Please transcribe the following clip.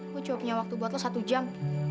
gue cuma punya waktu buat lo satu jam